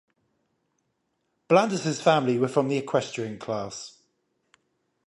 Blandus' family were from the Equestrian class.